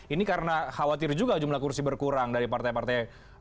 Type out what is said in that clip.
ini karena khawatir juga jumlah kursi berkurang dari partai partai